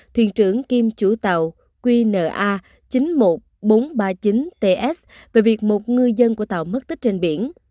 thuyền trưởng kiêm chủ tàu qna chín mươi một nghìn bốn trăm ba mươi chín ts về việc một ngư dân của tàu mất tích trên biển